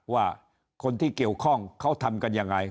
ว่าคนที่เกี่ยวข้องเขาทำกันไม่มีอะไร